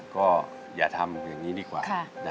ก็อย่าทำอย่างนี้ดีกว่า